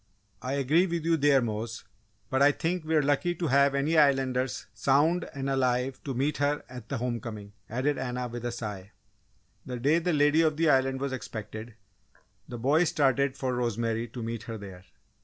"I agree with you there, Mose, but I think we're lucky to have any Islanders sound and alive to meet her at the homecoming," added Anna, with a sigh. The day the Lady of the Island was expected, the boys started for Rosemary to meet her there.